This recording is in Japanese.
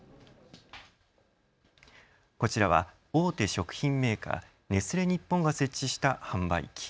こちらは大手食品メーカー、ネスレ日本が設置した販売機。